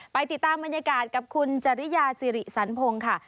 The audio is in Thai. ไปติดตามบรรยากาศกับคุณจริยาสิริสันพงศ์ค่ะ